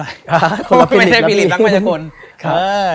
ไม่ใช่ฟิลิปรักมัยกล